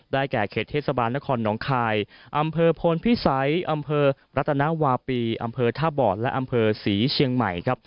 แก่เขตเทศบาลนครหนองคายอำเภอพลพิสัยอำเภอรัตนวาปีอำเภอท่าบ่อและอำเภอศรีเชียงใหม่ครับ